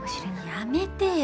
やめてよ。